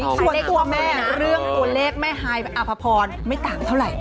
ส่วนตัวแม่นะเรื่องตัวเลขแม่ฮายอภพรไม่ต่างเท่าไหร่